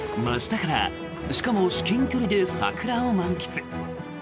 真下からしかも至近距離で桜を満喫。